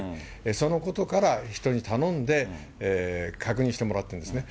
そのことから人に頼んで確認してもらったんですね。